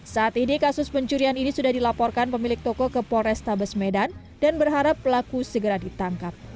saat ini kasus pencurian ini sudah dilaporkan pemilik toko ke polrestabes medan dan berharap pelaku segera ditangkap